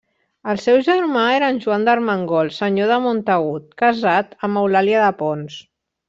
El seu germà era en Joan d'Armengol, senyor de Montagut, casat amb Eulàlia de Pons.